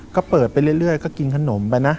ก็เปิดไปเรื่อยก็กินขนมไปนะ